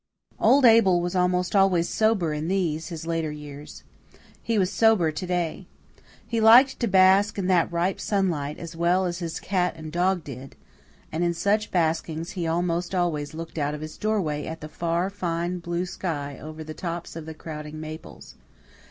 Old Abel was almost always sober in these, his later years. He was sober to day. He liked to bask in that ripe sunlight as well as his dog and cat did; and in such baskings he almost always looked out of his doorway at the far, fine blue sky over the tops of the crowding maples.